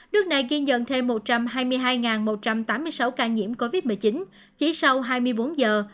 nước này ghi nhận thêm một trăm hai mươi hai một trăm tám mươi sáu ca nhiễm covid một mươi chín chỉ sau hai mươi bốn giờ